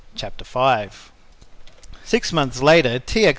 CHAPTER V Six months later T. X.